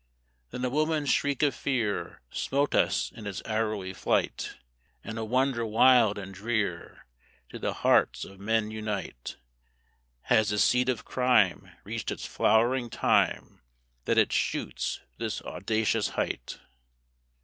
Then a woman's shriek of fear Smote us in its arrowy flight; And a wonder wild and drear Did the hearts of men unite. Has the seed of crime Reached its flowering time, That it shoots to this audacious height?